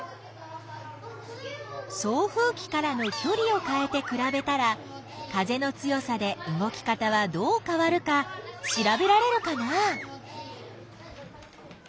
送風きからのきょりをかえてくらべたら風の強さで動き方はどうかわるかしらべられるかな？